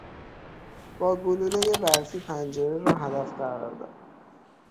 با گلولهی برفی پنجره را هدف قرار داد.